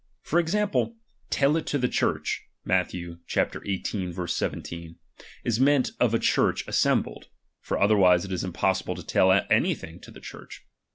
For example. Tell it to the Church, (Matth. xviii. !7), is meant of a Church assembled ; for otherwise it is impossible to tell ^K any thing to the Church.